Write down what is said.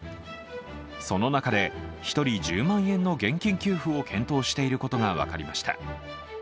その中で一人１０万円の現金給付を検討していることが分かりました。